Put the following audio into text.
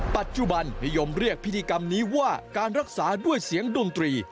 ปัจจุบันนิยมเรียกพิธีกรรมนี้ว่าการรักษาด้วยเสียงดนตรี